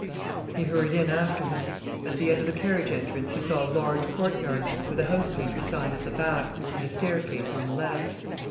He hurried in after them. At the end of the carriage entrance he saw a large courtyard, with a house painter's sign at the back and a staircase on the left.